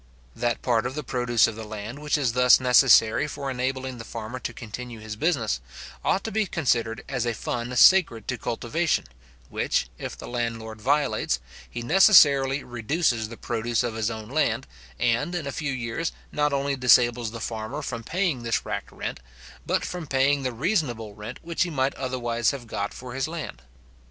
That part of the produce of the land which is thus necessary for enabling the farmer to continue his business, ought to be considered as a fund sacred to cultivation, which, if the landlord violates, he necessarily reduces the produce of his own land, and, in a few years, not only disables the farmer from paying this racked rent, but from paying the reasonable rent which he might otherwise have got for his land.